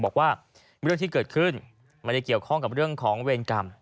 บอกว่าเรื่องที่เกิดขึ้นไม่ได้เกี่ยวข้องกับเรื่องของเวรกรรม